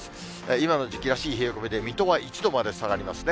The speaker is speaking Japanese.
今の時期らしい冷え込みで、水戸は１度まで下がりますね。